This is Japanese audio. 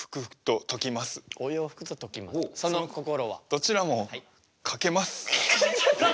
どちらもかけます。